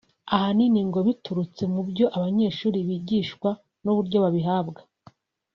ahanini ngo biturutse mu byo abanyeshuri bigishwa n’uburyo babihabwa